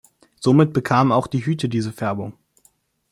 Somit bekamen auch die Hüte diese Färbung.